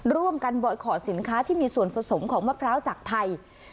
ร่วมกันบ่อยขอสินค้าที่มีส่วนผสมของมะพร้าวจากไทย